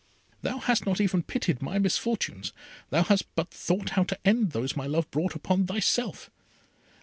Thou hast not even pitied my misfortunes. Thou hast but thought how to end those my love brought upon thyself.